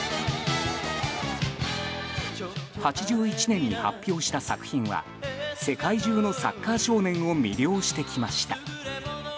８１年に発表した作品は世界中のサッカー少年を魅了してきました。